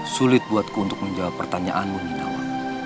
sulit buatku untuk menjawab pertanyaanmu ginawan